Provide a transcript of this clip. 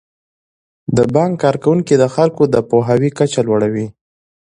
د بانک کارکوونکي د خلکو د پوهاوي کچه لوړوي.